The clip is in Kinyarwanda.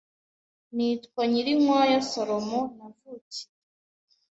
Nitwa NYIRINKWAYA Salomo navukiye